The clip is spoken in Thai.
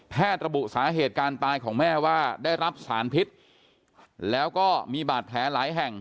ระบุสาเหตุการตายของแม่ว่าได้รับสารพิษแล้วก็มีบาดแผลหลายแห่ง